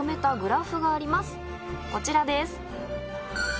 こちらです。